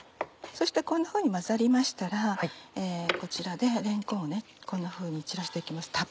そしてこんなふうに混ざりましたらこちらでれんこんをこんなふうに散らして行きます。